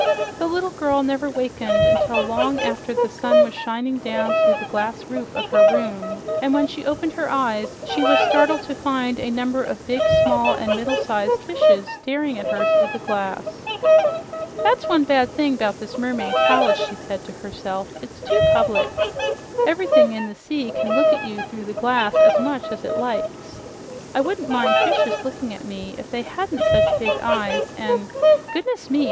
The little girl never wakened until long after the sun was shining down through the glass roof of her room, and when she opened her eyes she was startled to find a number of big, small and middle sized fishes staring at her through the glass. "That's one bad thing 'bout this mermaid palace," she said to herself. "It's too public. Ever'thing in the sea can look at you through the glass as much as it likes. I wouldn't mind fishes looking at me if they hadn't such big eyes, an' goodness me!